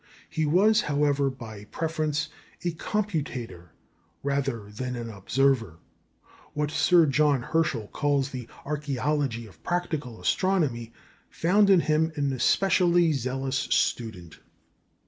He was, however, by preference a computator rather than an observer. What Sir John Herschel calls the "archæology of practical astronomy" found in him an especially zealous student.